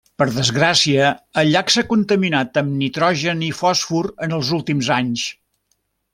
Per desgràcia, el llac s'ha contaminat amb nitrogen i fòsfor en els últims anys.